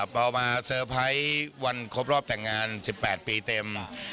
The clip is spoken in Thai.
พอมาเซอร์ไพรส์วันครบรอบแต่งงาน๑๘ปีเต็ม